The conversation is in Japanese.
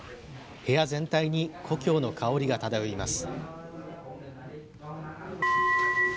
部屋全体に故郷の香りが漂います。